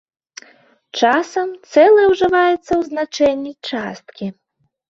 Часам цэлае ўжываецца ў значэнні часткі.